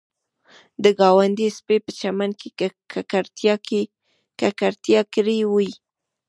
د ګاونډي سپي په چمن کې ککړتیا کړې وي